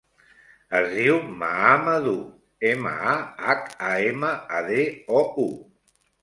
Es diu Mahamadou: ema, a, hac, a, ema, a, de, o, u.